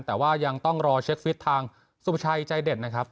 แต่ว่ายังต้องรอเช็คฟิตทางสุภาชัยใจเด็ดนะครับ